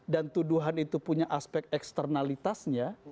dan tuduhan itu punya aspek eksternalitasnya